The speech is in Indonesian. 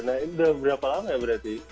nah ini udah berapa lama ya berarti